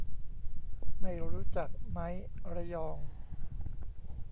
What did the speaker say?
ไม่รู้จักไมค์ ระยอง